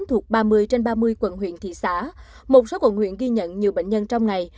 thuộc ba mươi trên ba mươi quận huyện thị xã một số quận huyện ghi nhận nhiều bệnh nhân trong ngày